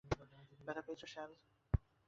ব্যথা পেয়েছো, স্যাল?